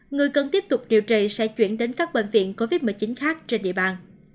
người cần tiếp tục điều trị sẽ chuyển đến các bệnh viện covid một mươi chín khác trên địa bàn